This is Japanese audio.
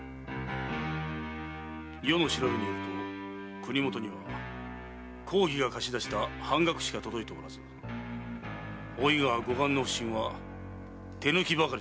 余の調べによると国許には公儀が貸し出した半額しか届いておらず大井川護岸の普請は手抜きばかりだそうだ。